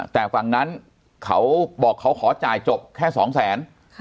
แต่ฝั่งนั้นเขาบอกเขาขอจ่ายจบแค่สองแสน